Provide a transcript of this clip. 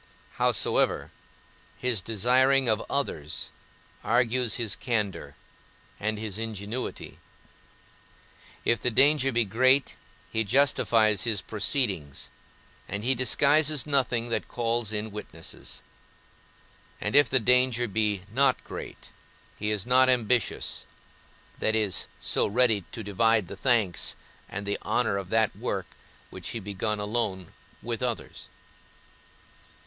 Howsoever, his desiring of others argues his candour, and his ingenuity; if the danger be great, he justifies his proceedings, and he disguises nothing that calls in witnesses; and if the danger be not great, he is not ambitious, that is so ready to divide the thanks and the honour of that work which he begun alone, with others.